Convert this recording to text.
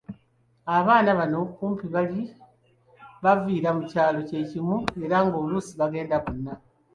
Abaana bano kumpi baali baviira ku kyalo kye kimu era nga oluusi bagenda bonna.